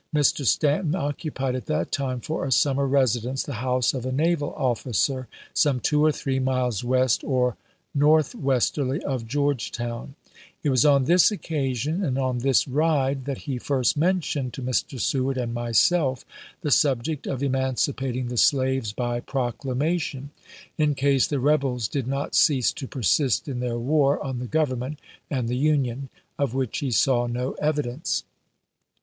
Mr. Stanton occupied at that time, for a summer resi dence, the house of a naval officer, some two or three miles west or northwesterly of Georgetown. It was on 122 ABEAHAM LINCOLN Chap. VI. this occasion and on this ride that he first mentioned to Mr. Seward and myself the subject of emancipating the slaves by proclamation in case the rebels did not cease to persist in their war on the Government and the Union, of which he saw no evidence.